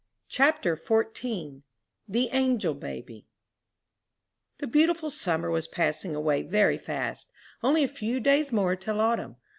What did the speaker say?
CHAPTER XIV THE ANGEL BABY The beautiful summer was passing away very fast. Only a few days more till autumn.